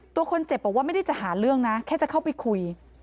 ตัวคนเจ็บบอกว่าไม่ได้จะหาเรื่องนะแค่จะเข้าไปคุย